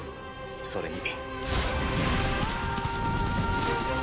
それに。